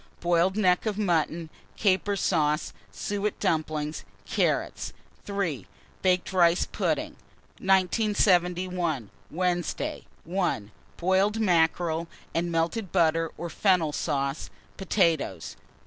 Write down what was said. Boiled neck of mutton, caper sauce, suet dumplings, carrots. 3. Baked rice pudding. 1971. Wednesday. 1. Boiled mackerel and melted butter or fennel sauce, potatoes.